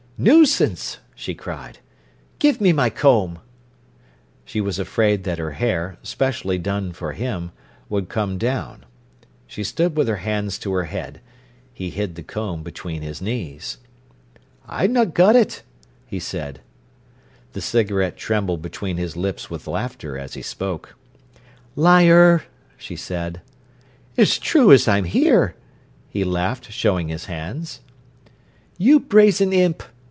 "Nuisance!" she cried. "Give me my comb!" She was afraid that her hair, specially done for him, would come down. She stood with her hands to her head. He hid the comb between his knees. "I've non got it," he said. The cigarette trembled between his lips with laughter as he spoke. "Liar!" she said. "'S true as I'm here!" he laughed, showing his hands. "You brazen imp!"